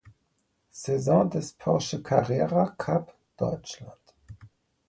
Saison des Porsche Carrera Cup Deutschland.